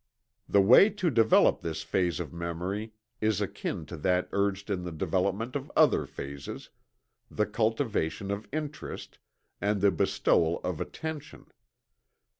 The way to develop this phase of memory is akin to that urged in the development of other phases the cultivation of interest, and the bestowal of attention.